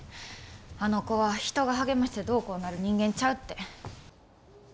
あの子は人が励ましてどうこうなる人間ちゃうって。